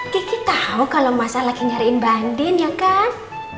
gigi tau kalo masa lagi nyariin mbak andi ya kan